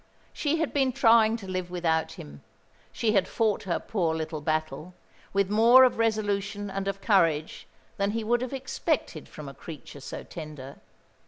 She had been trying to live without him. She had fought her poor little battle, with more of resolution and of courage than he would have expected from a creature so tender.